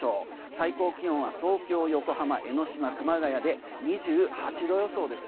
最高気温は東京、横浜、江の島熊谷で２８度予想です。